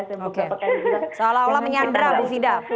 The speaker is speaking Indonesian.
seolah olah menyandera bung fida